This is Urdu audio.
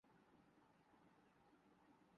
ایسا پیغام جو کہیں سے نہیں آ رہا۔